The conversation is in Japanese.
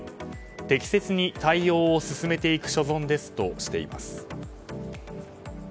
適切に対応を進めていく所存ですとしています。